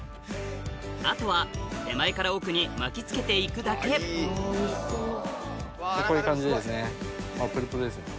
あとは手前から奥に巻きつけて行くだけこういう感じであっプルプルですね。